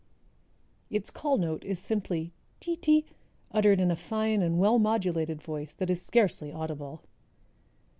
Its call note is simply ti ti uttered in a fine and well modulated voice that is scarcely audible.